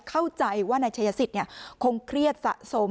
เข้าใจว่านายเฉยสิตเนี่ยคงเครียดสะสม